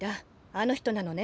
あの人なのね。